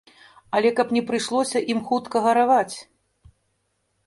Але каб не прыйшлося ім хутка гараваць.